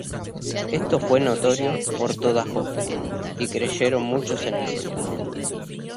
Esto fué notorio por toda Joppe; y creyeron muchos en el Señor.